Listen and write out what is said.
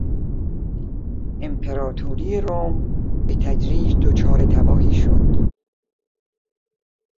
امپراطوری روم به تدریج دچار تباهی شد.